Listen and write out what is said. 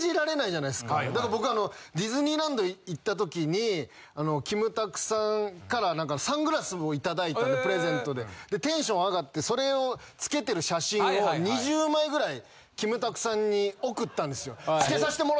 だから僕ディズニーランド行った時にキムタクさんからサングラスも頂いたんでプレゼントでテンション上がってそれをつけてる写真を２０枚ぐらいキムタクさんに送ったんですよ。